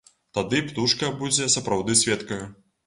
Тады птушка будзе сапраўды сведкаю.